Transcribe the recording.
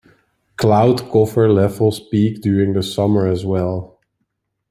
Cloud cover levels peak during the summer as well.